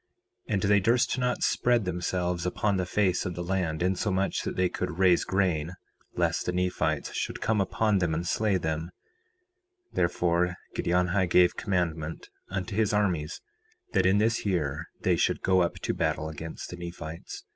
4:6 And they durst not spread themselves upon the face of the land insomuch that they could raise grain, lest the Nephites should come upon them and slay them; therefore Giddianhi gave commandment unto his armies that in this year they should go up to battle against the Nephites.